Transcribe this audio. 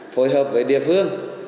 phối hợp với địa phương